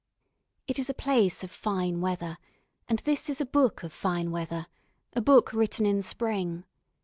It is a place of fine weather, and this is a book of fine weather, a book written in Spring.